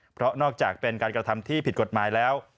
เพราะนอกจากเป็นการกระทำที่ผิดกฎหมายแล้ว